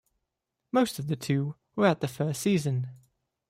Most of the two were at the first season.